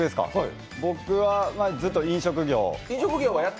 僕はずっと飲食業。